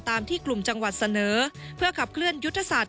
ตามที่กลุ่มจังหวัดเสนอเพื่อขับเคลื่อนยุทธศาสต